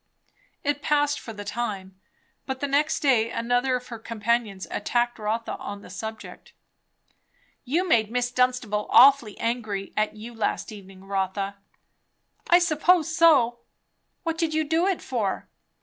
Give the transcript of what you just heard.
It passed for the time; but the next day another of her companions attacked Rotha on the subject. "You made Miss Dunstable awfully angry at you last evening, Rotha." "I suppose so." "What did you do it for?"